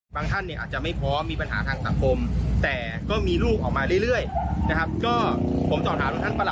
ก็ต่อไปอาจจะไปเริ่มต่อในเรื่องของการลดนรงค์